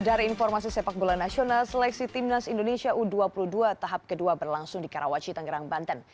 dari informasi sepak bola nasional seleksi timnas indonesia u dua puluh dua tahap kedua berlangsung di karawaci tangerang banten